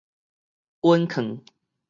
隱囥